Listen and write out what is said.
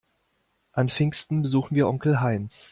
An Pfingsten besuchen wir Onkel Heinz.